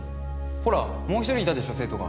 ほらもう一人いたでしょ生徒が。